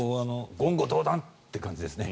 言語道断って感じですね。